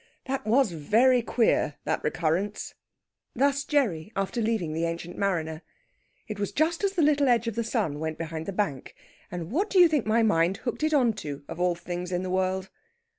"That was very queer, that recurrence!" Thus Gerry, after leaving the Ancient Mariner. "It was just as the little edge of the sun went behind the bank. And what do you think my mind hooked it on to, of all things in the world?"